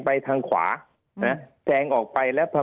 ภารกิจสรรค์ภารกิจสรรค์